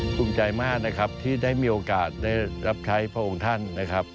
ภูมิใจมากนะครับที่ได้มีโอกาสได้รับใช้พระองค์ท่านนะครับ